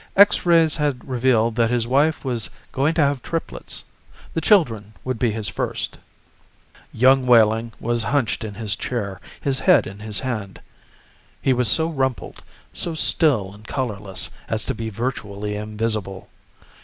X rays had revealed that his wife was going to have triplets. The children would be his first. Young Wehling was hunched in his chair, his head in his hand. He was so rumpled, so still and colorless as to be virtually invisible.